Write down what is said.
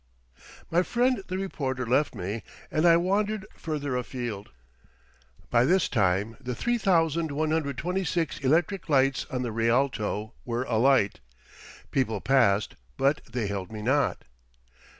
My friend the reporter left me, and I wandered further afield. By this time the 3126 electric lights on the Rialto were alight. People passed, but they held me not.